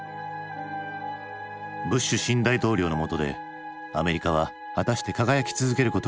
ブッシュ新大統領のもとでアメリカは果たして輝き続けることができるのか？